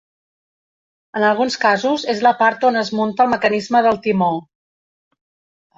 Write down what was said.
En alguns casos és la part on es munta el mecanisme del timó.